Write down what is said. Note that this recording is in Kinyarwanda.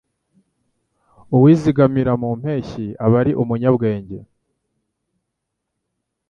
Uwizigamira mu mpeshyi aba ari umunyabwenge